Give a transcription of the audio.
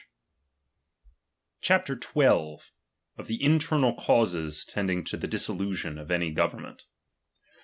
■^ CHAPTER XII. THE INTERNAL CAUSES TENDING TO THE DISSOLU TION OF ANY GOVERNMENT.